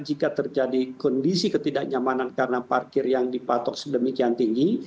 jika terjadi kondisi ketidaknyamanan karena parkir yang dipatok sedemikian tinggi